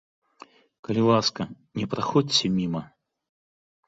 Калі ласка, не праходзьце міма!